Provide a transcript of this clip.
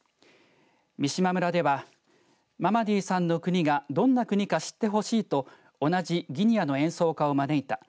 三島村ではママディさんの国がどんな国か知ってほしいと同じギニアの演奏家を招いた。